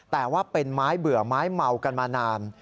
แต่ว่าเป็นไม้เบื่อไม้เมากันมานาน